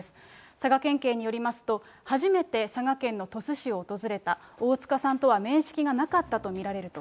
佐賀県警によりますと、初めて佐賀県の鳥栖市を訪れた、大塚さんとは面識がなかったと見られると。